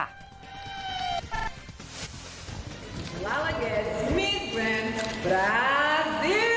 แล้วล่าเก็บมิสเกรนด์บราซิล